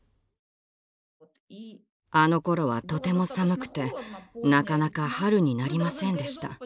あのころはとても寒くてなかなか春になりませんでした。